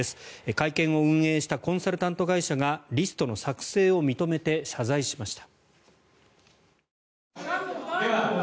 会見を運営したコンサルティング会社がリストの作成を認めて謝罪しました。